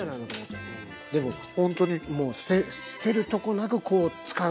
でもほんとに捨てるとこなく使う。